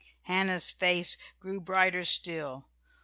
Hannah's face grew brighter still.